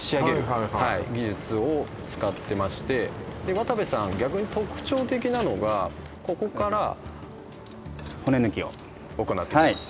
はいはいはい技術を使ってましてでわたべさん逆に特徴的なのがここから骨抜きを行っていきます